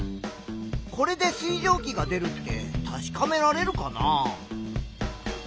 これで水蒸気が出るって確かめられるかな？